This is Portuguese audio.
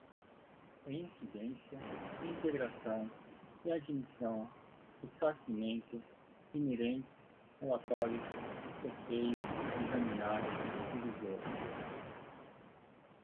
reincidência, reintegração, readmissão, ressarcimento, inerentes, relatório, sorteio, examinar, revisor